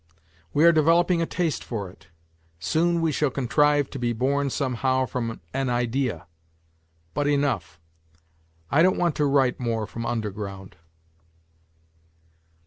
We are developing a taste for it. Soon we shall contrive to be born somehow from an idea. But enough ; I don't want to write more from " Underground."